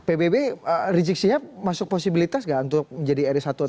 pbb rejiksinya masuk posibilitas gak untuk menjadi r satu atau r dua